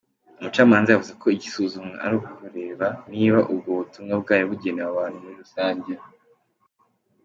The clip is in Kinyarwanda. Umucamanza yavuze ko igisuzumwa ari ukureba niba ubwo butumwa bwari bugenewe abantu muri rusange.